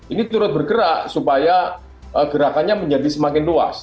ini turut bergerak supaya gerakannya menjadi semakin luas